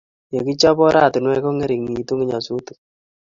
Ye kichob oratinwek ,ko ng'ering'itu nyasutik